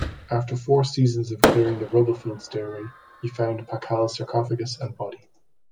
After four seasons of clearing the rubble-filled stairway, he found Pakal's sarcophagus and body.